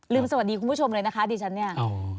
สวัสดีคุณผู้ชมเลยนะคะดิฉันเนี่ย